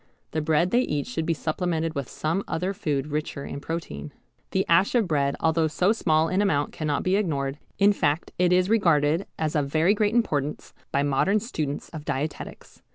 The bread they eat should be supplemented with some other food richer in protein. The ash of bread although so small in amount cannot be ignored, in fact it is regarded as of very great importance by modern students of dietetics.